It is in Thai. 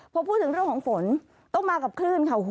พอพูดถึงเรื่องของฝนต้องมากับคลื่นค่ะ